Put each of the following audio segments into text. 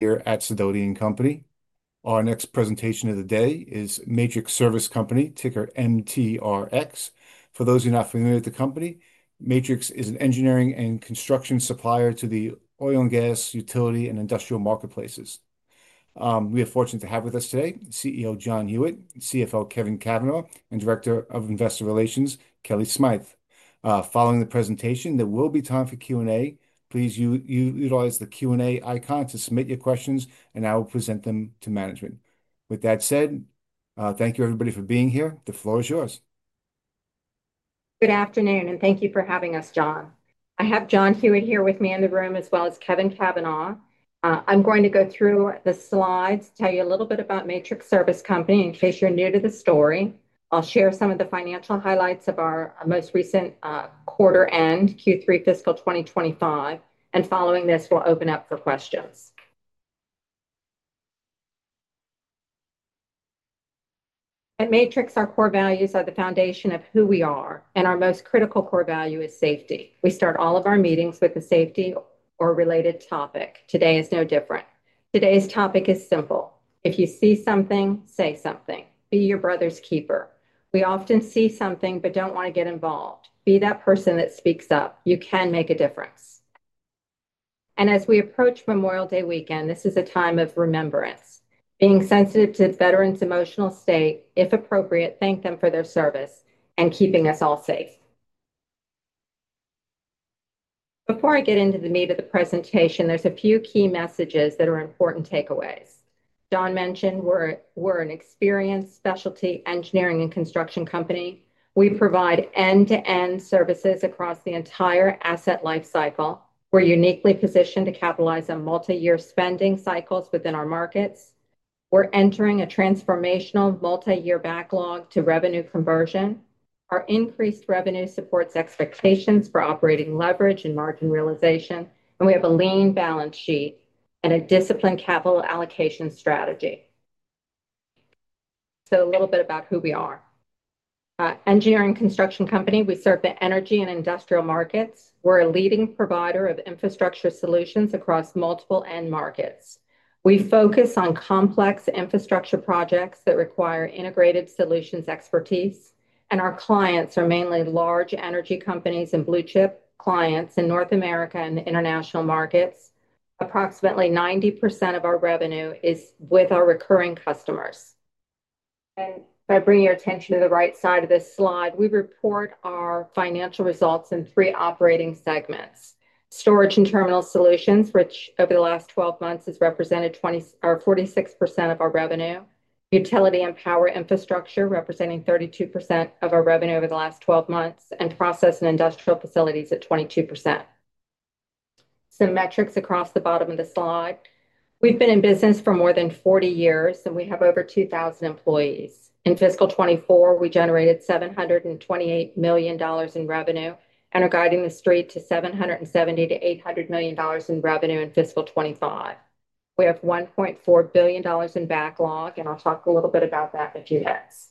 Here at Sidoti & Company. Our next presentation of the day is Matrix Service Company, ticker MTRX. For those who are not familiar with the company, Matrix is an engineering and construction supplier to the oil and gas, utility, and industrial marketplaces. We are fortunate to have with us today CEO John Hewitt, CFO Kevin Cavanah, and Director of Investor Relations Kellie Smythe. Following the presentation, there will be time for Q&A. Please utilize the Q&A icon to submit your questions, and I will present them to management. With that said, thank you everybody for being here. The floor is yours. Good afternoon, and thank you for having us, John. I have John Hewitt here with me in the room, as well as Kevin Cavanah. I'm going to go through the slides, tell you a little bit about Matrix Service Company in case you're new to the story. I'll share some of the financial highlights of our most recent quarter-end Q3 fiscal 2025. Following this, we'll open up for questions. At Matrix, our core values are the foundation of who we are, and our most critical core value is safety. We start all of our meetings with a safety or related topic. Today is no different. Today's topic is simple: if you see something, say something. Be your brother's keeper. We often see something but don't want to get involved. Be that person that speaks up. You can make a difference. As we approach Memorial Day weekend, this is a time of remembrance. Being sensitive to veterans' emotional state, if appropriate, thank them for their service and keeping us all safe. Before I get into the meat of the presentation, there are a few key messages that are important takeaways. John mentioned we are an experienced specialty engineering and construction company. We provide end-to-end services across the entire asset life cycle. We are uniquely positioned to capitalize on multi-year spending cycles within our markets. We are entering a transformational multi-year backlog to revenue conversion. Our increased revenue supports expectations for operating leverage and margin realization, and we have a lean balance sheet and a disciplined capital allocation strategy. A little bit about who we are. Engineering and construction company, we serve the energy and industrial markets. We are a leading provider of infrastructure solutions across multiple end markets. We focus on complex infrastructure projects that require integrated solutions expertise, and our clients are mainly large energy companies and blue-chip clients in North America and international markets. Approximately 90% of our revenue is with our recurring customers. If I bring your attention to the right side of this slide, we report our financial results in three operating segments: storage and terminal solutions, which over the last 12 months has represented 20%, 46% of our revenue; utility and power infrastructure, representing 32% of our revenue over the last 12 months; and process and industrial facilities at 22%. Some metrics across the bottom of the slide. We've been in business for more than 40 years, and we have over 2,000 employees. In fiscal 2024, we generated $728 million in revenue and are guiding the street to $770 million-$800 million in revenue in fiscal 2025. We have $1.4 billion in backlog, and I'll talk a little bit about that in a few minutes.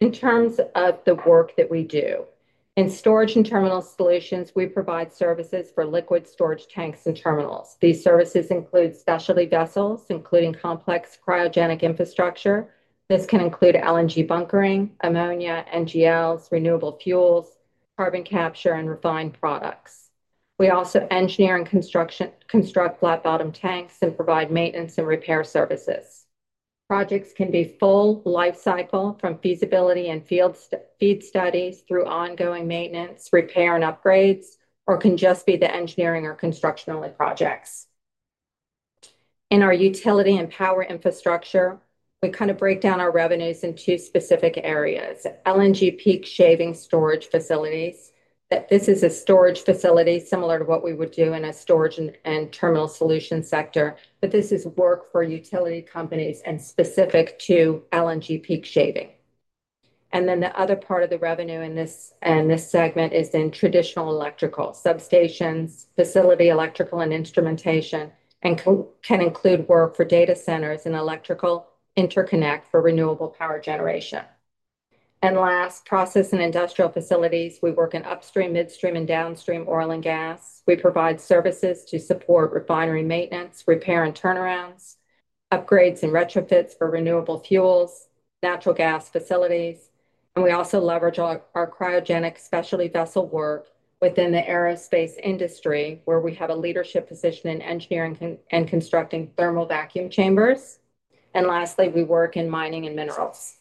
In terms of the work that we do, in storage and terminal solutions, we provide services for liquid storage tanks and terminals. These services include specialty vessels, including complex cryogenic infrastructure. This can include LNG bunkering, ammonia, NGLs, renewable fuels, carbon capture, and refined products. We also engineer and construct flat-bottom tanks and provide maintenance and repair services. Projects can be full life cycle, from feasibility and field feed studies through ongoing maintenance, repair, and upgrades, or can just be the engineering or construction only projects. In our utility and power infrastructure, we kind of break down our revenues in two specific areas: LNG peak shaving storage facilities. This is a storage facility similar to what we would do in a storage and terminal solution sector, but this is work for utility companies and specific to LNG peak shaving. The other part of the revenue in this segment is in traditional electrical substations, facility electrical and instrumentation, and can include work for data centers and electrical interconnect for renewable power generation. Last, process and industrial facilities. We work in upstream, midstream, and downstream oil and gas. We provide services to support refinery maintenance, repair, and turnarounds, upgrades and retrofits for renewable fuels, natural gas facilities. We also leverage our cryogenic specialty vessel work within the aerospace industry, where we have a leadership position in engineering and constructing thermal vacuum chambers. Lastly, we work in mining and minerals.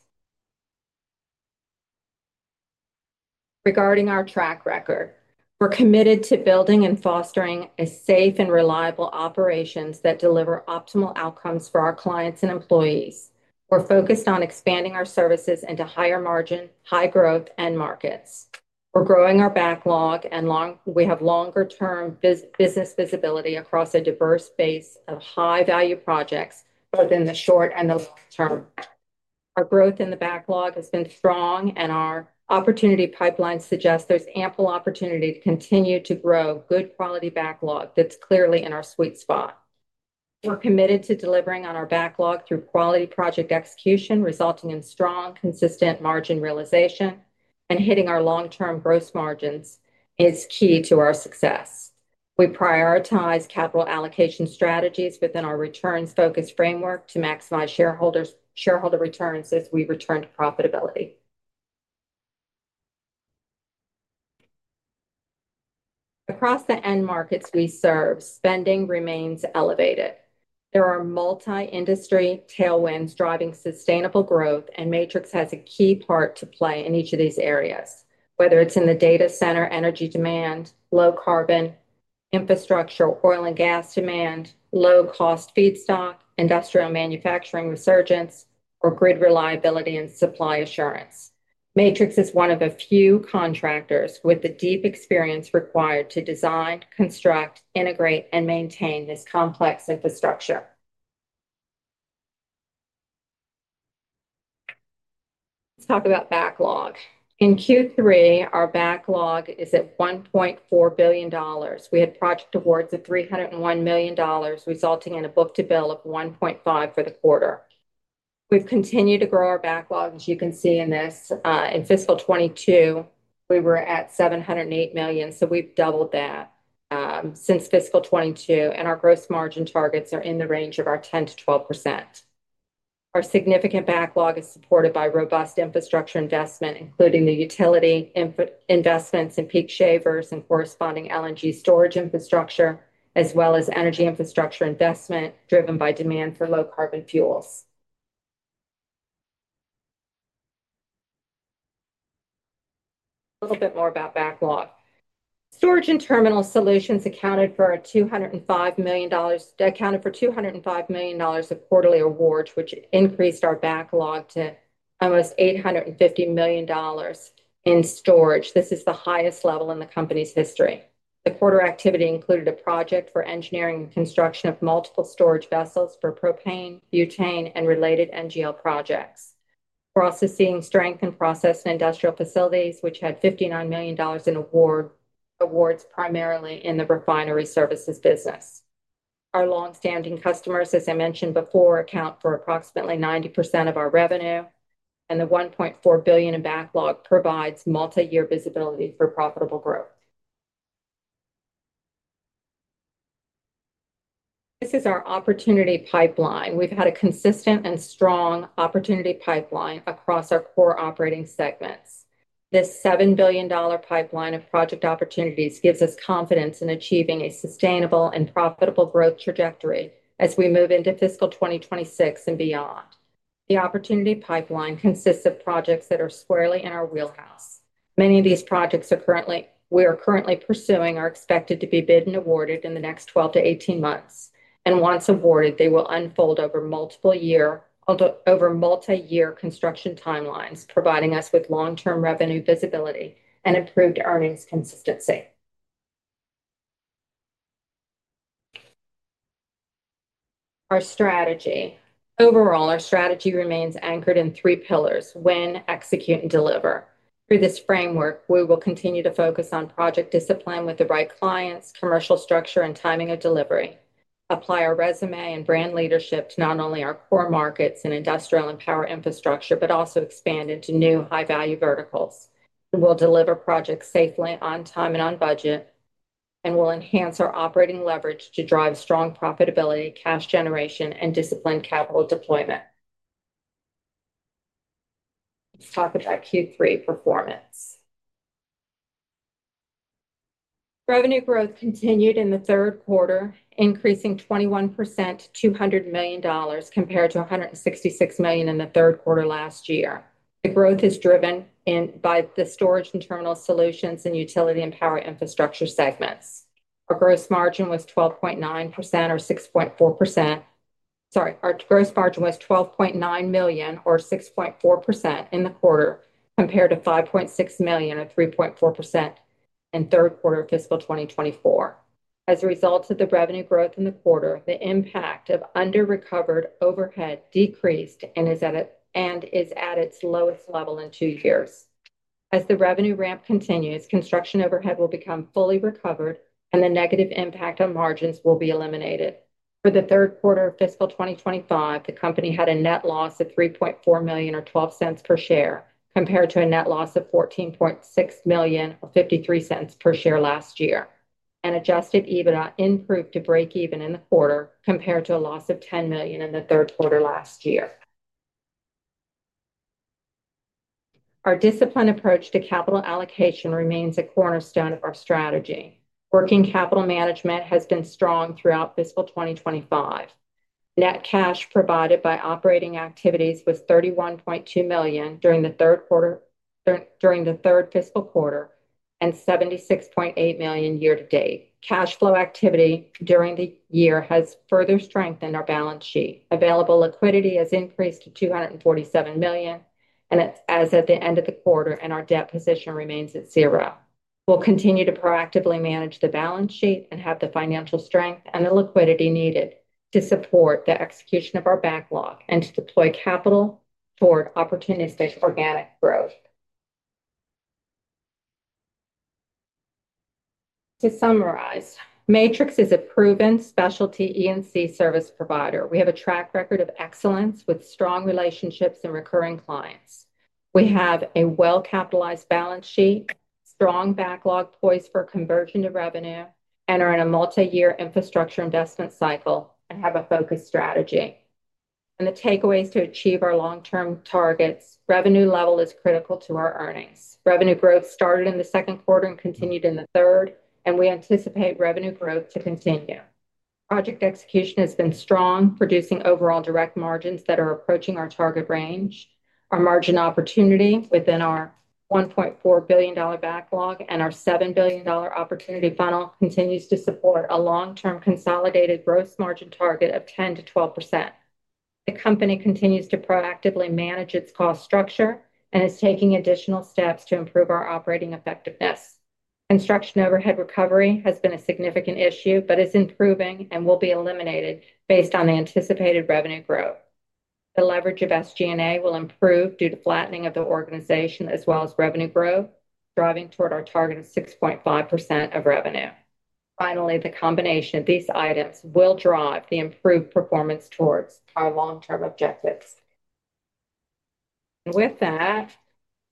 Regarding our track record, we're committed to building and fostering safe and reliable operations that deliver optimal outcomes for our clients and employees. We're focused on expanding our services into higher margin, high growth, and markets. We're growing our backlog and long—we have longer-term business visibility across a diverse base of high-value projects both in the short and the long-term. Our growth in the backlog has been strong, and our opportunity pipeline suggests there's ample opportunity to continue to grow good quality backlog that's clearly in our sweet spot. We're committed to delivering on our backlog through quality project execution, resulting in strong, consistent margin realization and hitting our long-term gross margins, and it's key to our success. We prioritize capital allocation strategies within our returns-focused framework to maximize shareholders' shareholder returns as we return to profitability. Across the end markets we serve, spending remains elevated. There are multi-industry tailwinds driving sustainable growth, and Matrix has a key part to play in each of these areas, whether it's in the data center energy demand, low carbon infrastructure, oil and gas demand, low-cost feedstock, industrial manufacturing resurgence, or grid reliability and supply assurance. Matrix is one of a few contractors with the deep experience required to design, construct, integrate, and maintain this complex infrastructure. Let's talk about backlog. In Q3, our backlog is at $1.4 billion. We had project awards of $301 million, resulting in a book-to-bill of 1.5 for the quarter. We've continued to grow our backlog, as you can see in this. In fiscal 2022, we were at $708 million, so we've doubled that since fiscal 2022, and our gross margin targets are in the range of 10%-12%. Our significant backlog is supported by robust infrastructure investment, including the utility info investments in peak shavers and corresponding LNG storage infrastructure, as well as energy infrastructure investment driven by demand for low carbon fuels. A little bit more about backlog. Storage and terminal solutions accounted for $205 million of quarterly awards, which increased our backlog to almost $850 million in storage. This is the highest level in the company's history. The quarter activity included a project for engineering and construction of multiple storage vessels for propane, butane, and related NGL projects. We're also seeing strength in process and industrial facilities, which had $59 million in awards, primarily in the refinery services business. Our longstanding customers, as I mentioned before, account for approximately 90% of our revenue, and the $1.4 billion in backlog provides multi-year visibility for profitable growth. This is our opportunity pipeline. We've had a consistent and strong opportunity pipeline across our core operating segments. This $7 billion pipeline of project opportunities gives us confidence in achieving a sustainable and profitable growth trajectory as we move into fiscal 2026 and beyond. The opportunity pipeline consists of projects that are squarely in our wheelhouse. Many of these projects we are currently pursuing are expected to be bid and awarded in the next 12-18 months. Once awarded, they will unfold over multi-year construction timelines, providing us with long-term revenue visibility and improved earnings consistency. Overall, our strategy remains anchored in three pillars: win, execute, and deliver. Through this framework, we will continue to focus on project discipline with the right clients, commercial structure, and timing of delivery, apply our resume and brand leadership to not only our core markets and industrial and power infrastructure, but also expand into new high-value verticals. We'll deliver projects safely, on time, and on budget, and we'll enhance our operating leverage to drive strong profitability, cash generation, and disciplined capital deployment. Let's talk about Q3 performance. Revenue growth continued in the third quarter, increasing 21% to $200 million compared to $166 million in the third quarter last year. The growth is driven in by the storage and terminal solutions and utility and power infrastructure segments. Our gross margin was $12.9 million or 6.4%. Sorry, our gross margin was $12.9 million or 6.4% in the quarter compared to $5.6 million or 3.4% in third quarter of fiscal 2024. As a result of the revenue growth in the quarter, the impact of under-recovered overhead decreased and is at its lowest level in two years. As the revenue ramp continues, construction overhead will become fully recovered, and the negative impact on margins will be eliminated. For the third quarter of fiscal 2025, the company had a net loss of $3.4 million or $0.12 per share compared to a net loss of $14.6 million or $0.53 per share last year, and adjusted EBITDA improved to break even in the quarter compared to a loss of $10 million in the third quarter last year. Our discipline approach to capital allocation remains a cornerstone of our strategy. Working capital management has been strong throughout fiscal 2025. Net cash provided by operating activities was $31.2 million during the third quarter, during the third fiscal quarter, and $76.8 million year-to-date. Cash flow activity during the year has further strengthened our balance sheet. Available liquidity has increased to $247 million, and as at the end of the quarter, our debt position remains at zero. We'll continue to proactively manage the balance sheet and have the financial strength and the liquidity needed to support the execution of our backlog and to deploy capital toward opportunistic organic growth. To summarize, Matrix is a proven specialty E&C service provider. We have a track record of excellence with strong relationships and recurring clients. We have a well-capitalized balance sheet, strong backlog poised for conversion to revenue, and are in a multi-year infrastructure investment cycle and have a focused strategy. The takeaways to achieve our long-term targets: revenue level is critical to our earnings. Revenue growth started in the second quarter and continued in the third, and we anticipate revenue growth to continue. Project execution has been strong, producing overall direct margins that are approaching our target range. Our margin opportunity within our $1.4 billion backlog and our $7 billion opportunity funnel continues to support a long-term consolidated gross margin target of 10%-12%. The company continues to proactively manage its cost structure and is taking additional steps to improve our operating effectiveness. Construction overhead recovery has been a significant issue but is improving and will be eliminated based on anticipated revenue growth. The leverage of SG&A will improve due to flattening of the organization as well as revenue growth, driving toward our target of 6.5% of revenue. Finally, the combination of these items will drive the improved performance towards our long-term objectives. With that,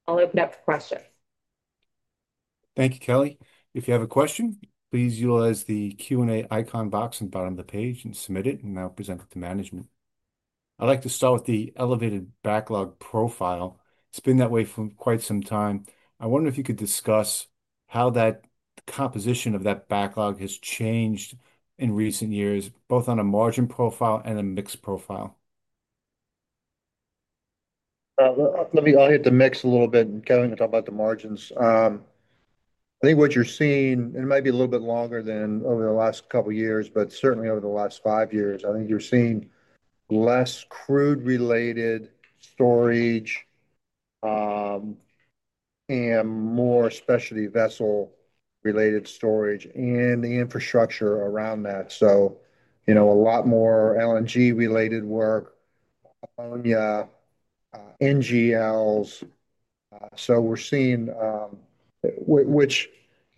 I'll open up the question. Thank you, Kellie. If you have a question, please utilize the Q&A icon box on the bottom of the page and submit it, and I'll present it to management. I'd like to start with the elevated backlog profile. It's been that way for quite some time. I wonder if you could discuss how that composition of that backlog has changed in recent years, both on a margin profile and a mixed profile. I mean, I'll hit the mix a little bit, and Kevin can talk about the margins. I think what you're seeing, and it might be a little bit longer than over the last couple of years, but certainly over the last five years, I think you're seeing less crude-related storage, and more specialty vessel-related storage and the infrastructure around that. You know, a lot more LNG-related work, ammonia, NGLs. We're seeing, which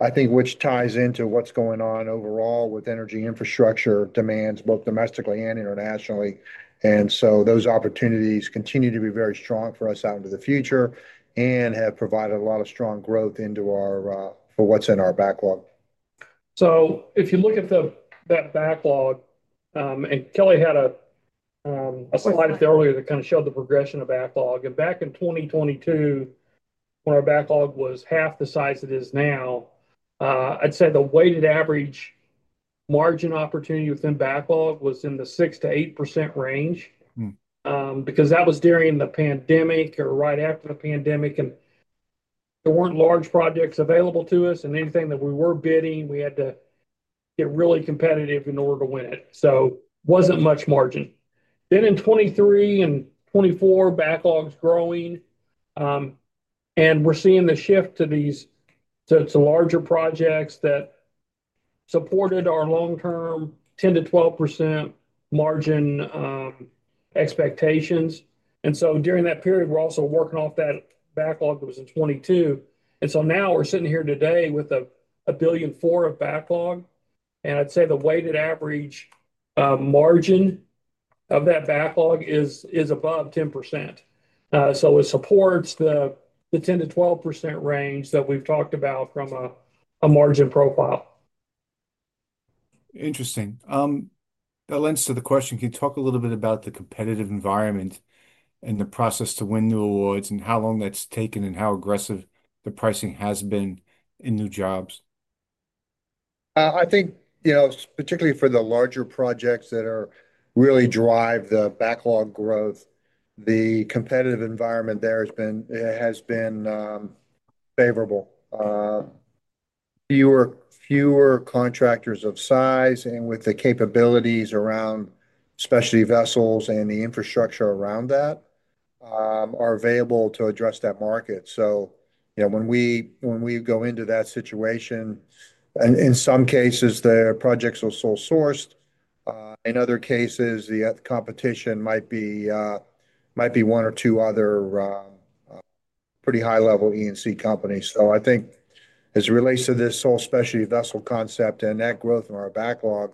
I think ties into what's going on overall with energy infrastructure demands, both domestically and internationally. Those opportunities continue to be very strong for us out into the future and have provided a lot of strong growth into our, for what's in our backlog. If you look at the—that backlog, and Kellie had a slide earlier that kind of showed the progression of backlog. Back in 2022, when our backlog was half the size it is now, I'd say the weighted average margin opportunity within backlog was in the 6%-8% range. Mm-hmm, because that was during the pandemic or right after the pandemic, and there were not large projects available to us, and anything that we were bidding, we had to get really competitive in order to win it. So it was not much margin. In 2023 and 2024, backlog's growing, and we're seeing the shift to these, to larger projects that supported our long-term 10%-12% margin expectations. During that period, we're also working off that backlog that was in 2022. Now we're sitting here today with a billion-four of backlog, and I'd say the weighted average margin of that backlog is above 10%. It supports the 10%-12% range that we've talked about from a margin profile. Interesting. That lends to the question. Can you talk a little bit about the competitive environment and the process to win new awards and how long that's taken and how aggressive the pricing has been in new jobs? I think, you know, particularly for the larger projects that really drive the backlog growth, the competitive environment there has been favorable. Fewer, fewer contractors of size and with the capabilities around specialty vessels and the infrastructure around that are available to address that market. You know, when we go into that situation, and in some cases, the projects are sole-sourced. In other cases, the competition might be one or two other pretty high-level E&C companies. I think as it relates to this sole specialty vessel concept and that growth in our backlog,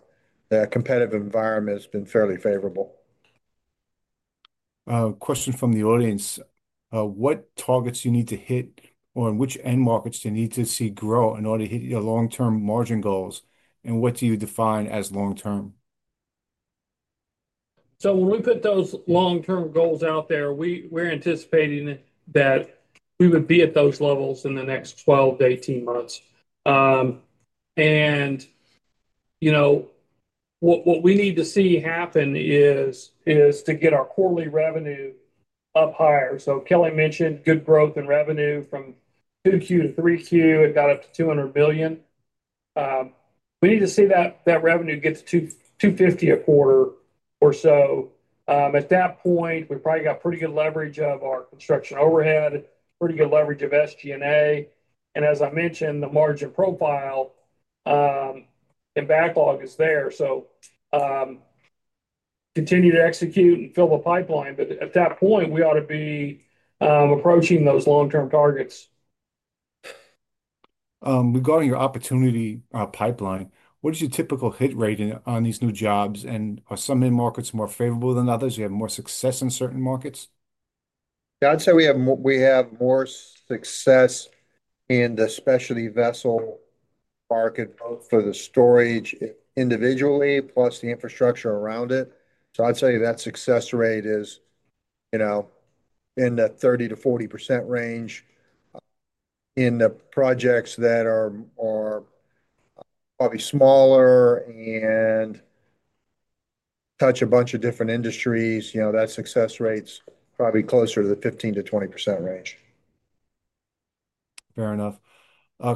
that competitive environment has been fairly favorable. Question from the audience. What targets do you need to hit, or in which end markets do you need to see grow in order to hit your long-term margin goals, and what do you define as long-term? When we put those long-term goals out there, we were anticipating that we would be at those levels in the next 12-18 months. You know, what we need to see happen is to get our quarterly revenue up higher. Kelly mentioned good growth in revenue from 2Q-3Q and got up to $200 million. We need to see that revenue get to $250 million a quarter or so. At that point, we probably got pretty good leverage of our construction overhead, pretty good leverage of SG&A. As I mentioned, the margin profile and backlog is there. Continue to execute and fill the pipeline, but at that point, we ought to be approaching those long-term targets. Regarding your opportunity pipeline, what is your typical hit rate on these new jobs? Are some end markets more favorable than others? Do you have more success in certain markets? Yeah, I'd say we have more, we have more success in the specialty vessel market, both for the storage individually, plus the infrastructure around it. I'd say that success rate is, you know, in the 30%-40% range. In the projects that are probably smaller and touch a bunch of different industries, you know, that success rate's probably closer to the 15%-20% range. Fair enough.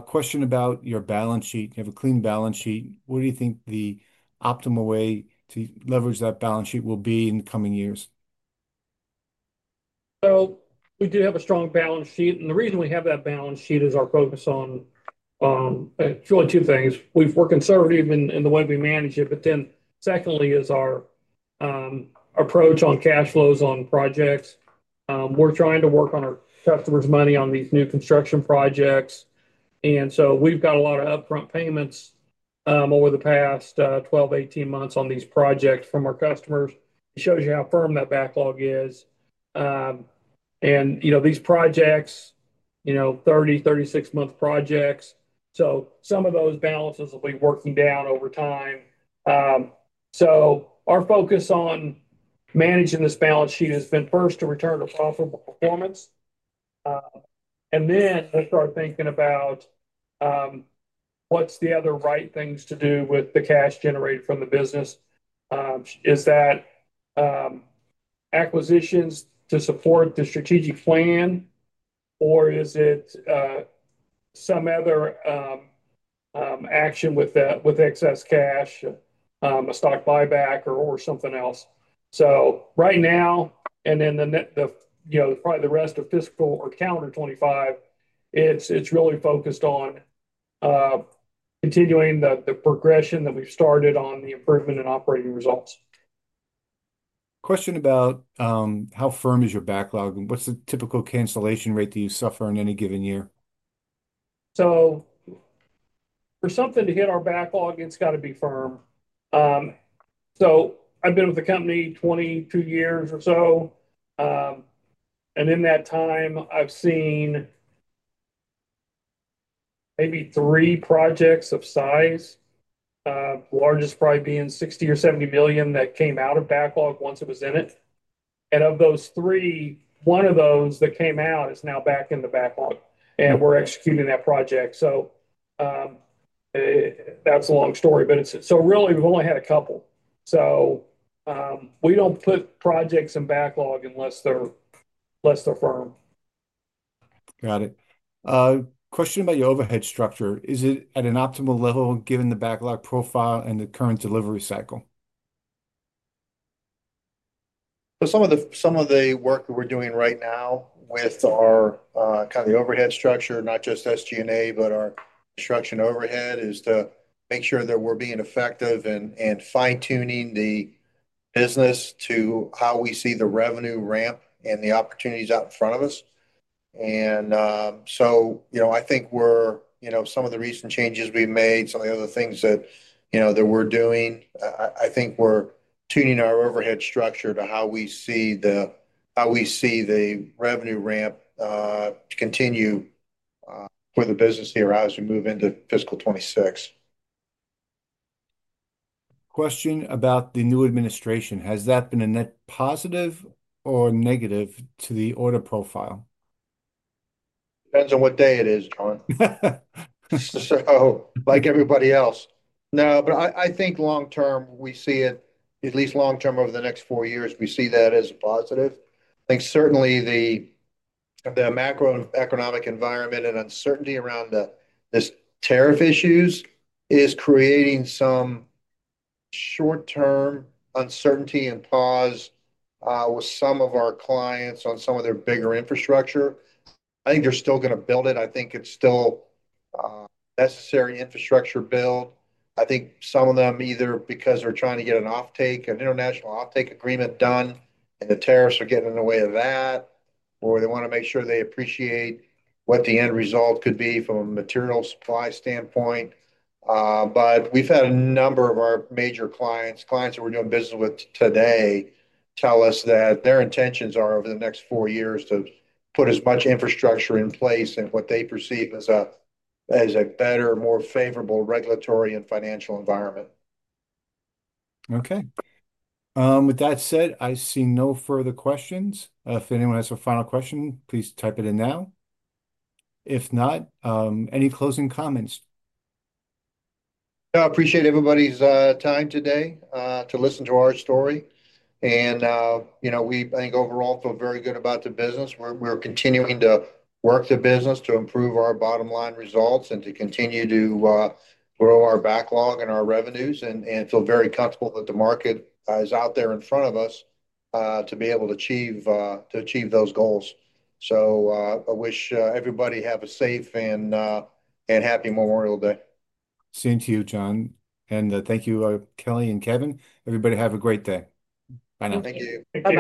Question about your balance sheet. You have a clean balance sheet. What do you think the optimal way to leverage that balance sheet will be in the coming years? We do have a strong balance sheet, and the reason we have that balance sheet is our focus on, actually two things. We're conservative in the way we manage it, but then secondly is our approach on cash flows on projects. We're trying to work on our customers' money on these new construction projects. We've got a lot of upfront payments over the past 12-18 months on these projects from our customers. It shows you how firm that backlog is. You know, these projects, you know, 30-36 month projects. Some of those balances will be working down over time. Our focus on managing this balance sheet has been first to return to profitable performance. I started thinking about, what's the other right things to do with the cash generated from the business? Is that acquisitions to support the strategic plan, or is it some other action with excess cash, a stock buyback or something else? Right now, and then probably the rest of fiscal or calendar 2025, it's really focused on continuing the progression that we've started on the improvement in operating results. Question about how firm is your backlog? What's the typical cancellation rate that you suffer in any given year? For something to hit our backlog, it's got to be firm. I have been with the company 22 years or so. In that time, I've seen maybe three projects of size, largest probably being $60 million or $70 million that came out of backlog once it was in it. Of those three, one of those that came out is now back in the backlog, and we're executing that project. That's a long story, but really we've only had a couple. We don't put projects in backlog unless they're firm. Got it. Question about your overhead structure. Is it at an optimal level given the backlog profile and the current delivery cycle? Some of the work that we're doing right now with our, kind of the overhead structure, not just SG&A, but our construction overhead, is to make sure that we're being effective and fine-tuning the business to how we see the revenue ramp and the opportunities out in front of us. You know, I think we're, you know, some of the recent changes we've made, some of the other things that, you know, that we're doing, I think we're tuning our overhead structure to how we see the revenue ramp, to continue for the business here as we move into fiscal 2026. Question about the new administration. Has that been a net positive or negative to the order profile? Depends on what day it is, John. Like everybody else. No, but I think long-term we see it, at least long-term over the next four years, we see that as a positive. I think certainly the macroeconomic environment and uncertainty around this tariff issues is creating some short-term uncertainty and pause, with some of our clients on some of their bigger infrastructure. I think they're still going to build it. I think it's still necessary infrastructure build. I think some of them either because they're trying to get an offtake, an international offtake agreement done, and the tariffs are getting in the way of that, or they want to make sure they appreciate what the end result could be from a material supply standpoint. We have had a number of our major clients, clients that we're doing business with today, tell us that their intentions are over the next four years to put as much infrastructure in place in what they perceive as a better, more favorable regulatory and financial environment. Okay. With that said, I see no further questions. If anyone has a final question, please type it in now. If not, any closing comments? I appreciate everybody's time today to listen to our story. And, you know, we, I think overall feel very good about the business. We're continuing to work the business to improve our bottom line results and to continue to grow our backlog and our revenues. And feel very comfortable that the market is out there in front of us to be able to achieve those goals. I wish everybody have a safe and happy Memorial Day. Same to you, John. Thank you, Kelly and Kevin. Everybody have a great day. Bye now.